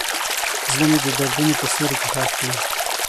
زړه مې د دردونو په سیوري کې ښخ دی.